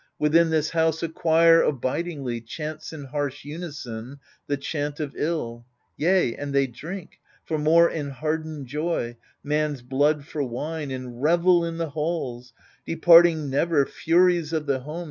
Within this house a choir abidingly Chants in harsh unison the chant of ill ; Yea, and they drink, for more enhardened joy, Man's blood for wine, and revel in the halls, Departing never, Furies of the home.